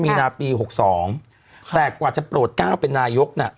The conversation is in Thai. มีนาปี๖๒แต่กว่าจะโปรดก้าวเป็นนายกน่ะ